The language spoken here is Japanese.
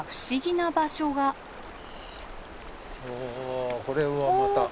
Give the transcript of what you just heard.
おこれはまた。